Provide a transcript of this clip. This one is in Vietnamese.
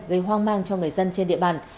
gây hoang mang cho người dân trên địa bàn